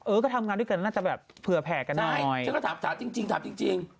เออก็ทำงานด้วยกันน่าจะแบบเผื่อแผกกันหน่อยใช่ฉันก็ถามถามจริงจริงถามจริงจริง